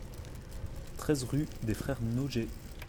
treize rue des Frères Noger